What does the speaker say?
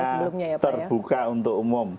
sama sifatnya terbuka untuk umum